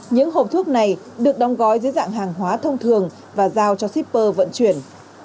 những hộp thuốc này được đóng gói dưới dạng hàng hóa thông thường và giao cho shipper vận chuyển